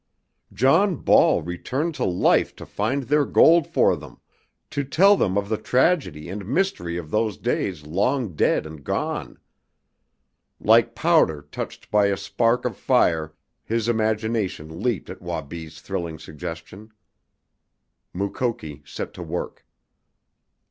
John Ball returned to life to find their gold for them, to tell them of the tragedy and mystery of those days long dead and gone! Like powder touched by a spark of fire his imagination leaped at Wabi's thrilling suggestion. Mukoki set to work.